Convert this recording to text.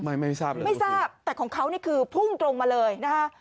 ไม่ไม่ทราบเลยไม่ทราบแต่ของเขานี่คือพุ่งตรงมาเลยนะคะ